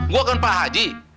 gue kan pak haji